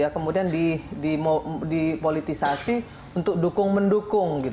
kemudian dipolitisasi untuk dukung mendukung